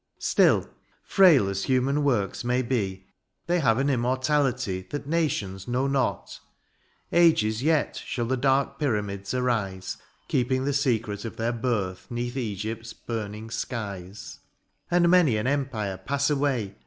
Still, frail as human works may be. They have an immortaUty That nations know not : ages yet Shall the dark pyramids arise. Keeping the secret of their birth, ^Neath Egypt's burning skies ; And many an empire pass away.